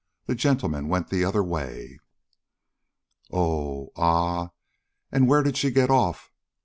The gentleman went the other way." "Oh!" "Ah!" and "Where did she get off?"